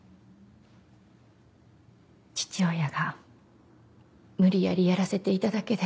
父親が無理やりやらせていただけで。